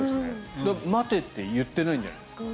待てって言ってないんじゃないですか。